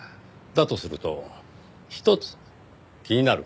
だとするとひとつ気になる事が。